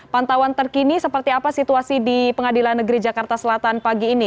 pantauan terkini seperti apa situasi di pengadilan negeri jakarta selatan pagi ini